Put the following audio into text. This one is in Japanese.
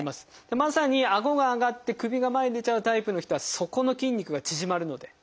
まさにあごが上がって首が前に出ちゃうタイプの人はそこの筋肉が縮まるので。